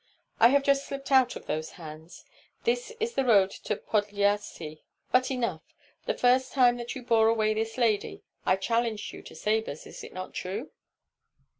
"I have just slipped out of those hands, this is the road to Podlyasye. But enough! The first time that you bore away this lady I challenged you to sabres, is it not true?"